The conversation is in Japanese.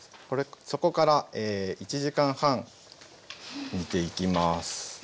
そこから１時間半煮ていきます。